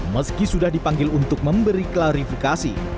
meski sudah dipanggil untuk memberi klarifikasi